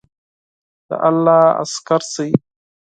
د الله عسکر شئ!